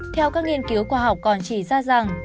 theo các nghiên cứu khoa học còn chỉ ra rằng